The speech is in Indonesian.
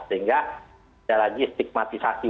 sehingga ada lagi stigmatisasi